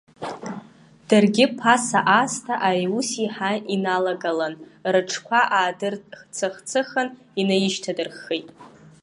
Даргьы ԥаса аасҭа ари аус еиҳа иналанагалан, рыҽқәа аадырцыхцыхын, инаишьҭадырххит.